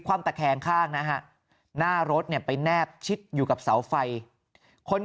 ว่ำตะแคงข้างนะฮะหน้ารถเนี่ยไปแนบชิดอยู่กับเสาไฟคน